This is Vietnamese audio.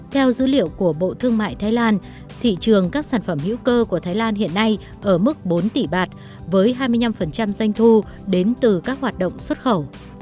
theo dữ liệu của bộ thương mại thái lan thị trường các sản phẩm hữu cơ của thái lan hiện nay ở mức bốn tỷ bạt với hai mươi năm doanh thu đến từ các hoạt động xuất khẩu